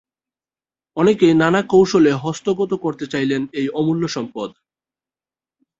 অনেকেই নানা কৌশলে হস্তগত করতে চাইলেন এই অমূল্য সম্পদ।